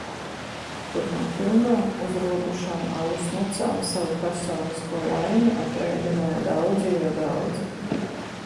Kur no pilnām uzrūgušām alus mucām savu personisko laimi apreibināja daudzi jo daudzi.